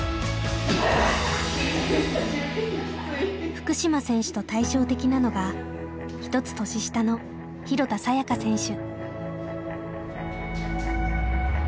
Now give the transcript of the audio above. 福島選手と対照的なのが１つ年下の廣田彩花選手。